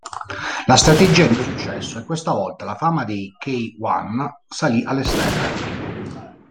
La strategia ebbe successo, e questa volta la fama dei K-One salì alle stelle.